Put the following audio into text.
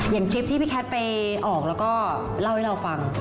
อย่างคลิปที่พี่แคทไปออกแล้วก็เล่าให้เราฟัง